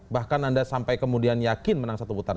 bahkan anda sampai kemudian yakin menang satu putaran